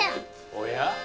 おや？